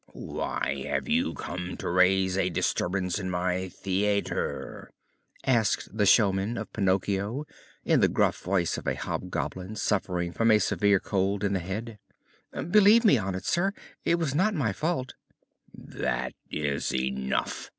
"Why have you come to raise a disturbance in my theater?" asked the showman of Pinocchio, in the gruff voice of a hobgoblin suffering from a severe cold in the head. "Believe me, honored sir, it was not my fault!" "That is enough!